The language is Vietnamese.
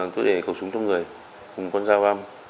tôi để khẩu súng trong người cùng con dao găm